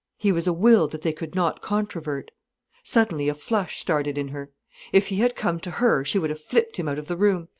He was a will that they could not controvert.—Suddenly a flush started in her. If he had come to her she would have flipped him out of the room.